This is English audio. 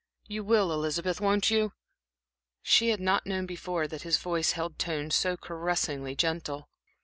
You will, Elizabeth, won't you?" She had not known before that his voice held tones so caressingly gentle.